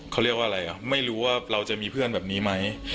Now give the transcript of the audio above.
เขาเรียกว่าอะไรอ่ะไม่รู้ว่าเราจะมีเพื่อนแบบนี้ไหม